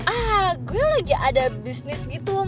ah gue aja ada bisnis gitu